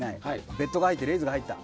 ベットが入ってレイズが入った。